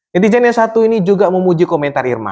netizen yang satu ini juga memuji komentar irma